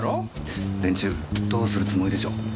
連中どうするつもりでしょう。